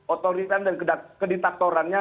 otoritas dan kedetektorannya